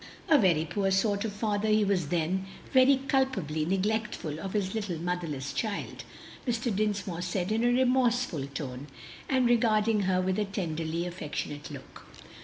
"A very poor sort of father he was then, very culpably neglectful of his little motherless child," Mr. Dinsmore said in a remorseful tone, and regarding her with a tenderly affectionate look.